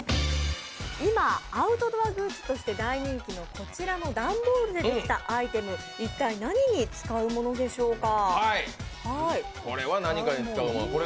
今アウトドアグッズとして大人気のこちらの段ボールでできたアイテム、一体何に使うものでしょうか。